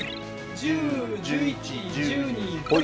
１０１１１２ほい。